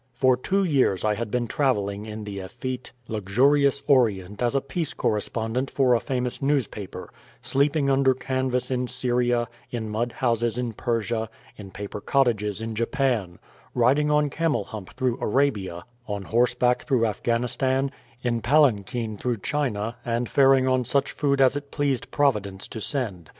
For two years I had been travelling in the effete, luxurious Orient as a peace correspondent for a famous newspaper; sleeping under canvas in Syria, in mud houses in Persia, in paper cottages in Japan; riding on camel hump through Arabia, on horseback through Afghanistan, in palankeen through China, and faring on such food as it pleased Providence to send.